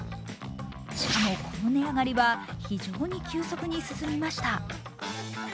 しかも、この値上がりは非常に急速に進みました。